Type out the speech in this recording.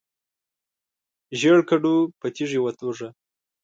ژیړ کډو په تیږي وتوږه.